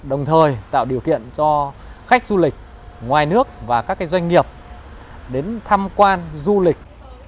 đồng thời tạo điều kiện cho khách du lịch ngoài nước và các doanh nghiệp đến tham quan du lịch